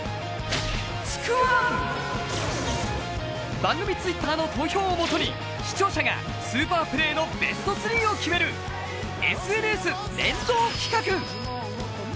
番組Ｔｗｉｔｔｅｒの投票をもとに視聴者がスーパープレーのベスト３を決めるＳＮＳ連動企画。